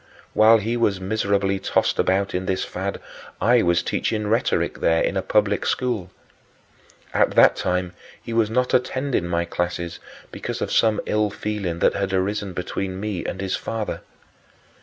While he was miserably tossed about in this fad, I was teaching rhetoric there in a public school. At that time he was not attending my classes because of some ill feeling that had arisen between me and his father.